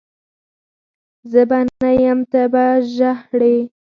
زه به نه یم ته به ژهړي